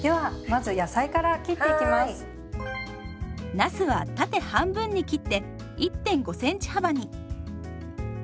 なすは縦半分に切って１．５センチ幅に。